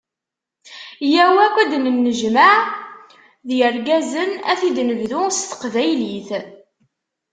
Yyaw akk ad d-nennejmeɛ, d yirgazen ad t-id-nebdu s teqbaylit.